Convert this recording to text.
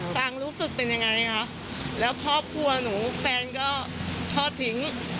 ฟังรู้สึกเป็นยังไงคะแล้วครอบครัวหนูแฟนก็ทอดทิ้ง